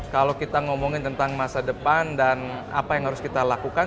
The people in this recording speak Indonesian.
kalau kita ngomongin tentang masa depan dan apa yang harus kita lakukan